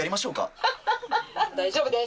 大丈夫です。